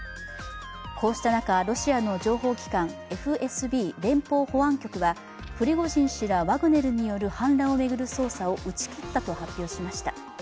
こうした中、ロシアの情報機関ＦＳＢ＝連邦保安庁はプリゴジン氏らワグネルによる反乱を巡る捜査を打ち切ったと発表しました。